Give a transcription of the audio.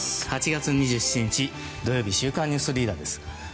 ８月２７日、土曜日「週刊ニュースリーダー」です。